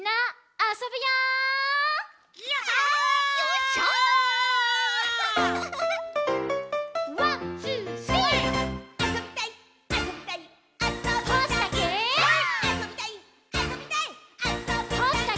「あそびたいっ！」